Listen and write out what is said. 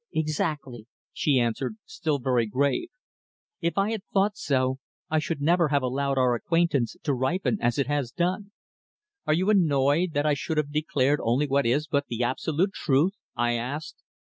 "Exactly," she answered, still very grave. "If I had thought so, I should never have allowed our acquaintance to ripen as it has done." "Are you annoyed that I should have declared only what is but the absolute truth?" I asked.